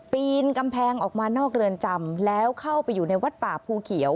ปีนกำแพงออกมานอกเรือนจำแล้วเข้าไปอยู่ในวัดป่าภูเขียว